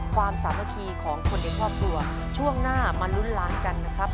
ความสามารถของคนเด็กครอบครัวช่วงหน้ามาลุ้นล้างกันนะครับ